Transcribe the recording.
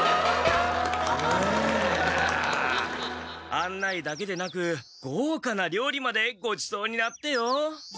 案内だけでなくごうかなりょうりまでごちそうになってよ。